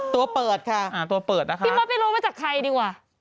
ตัวเปิดครับพี่มดไปรู้จากใครดีหวะ